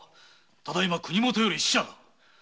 ただいま国元より使者が。